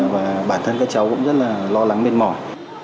và bản thân các cháu cũng rất là lo lắng mệt mỏi